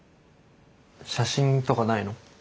写真とかないの？